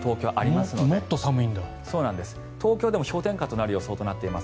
東京でも氷点下となる予想となっています。